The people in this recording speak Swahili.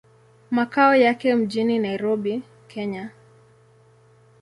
Makao yake mjini Nairobi, Kenya.